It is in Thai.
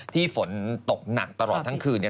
ฝนตกหนักตลอดทั้งคืนเนี่ย